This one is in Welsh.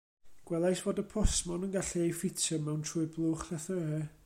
Gwelais fod y postmon yn gallu ei ffitio mewn trwy'r blwch llythyrau.